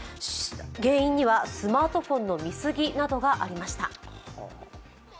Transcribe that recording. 原因にはスマートフォンの見過ぎなどがありました。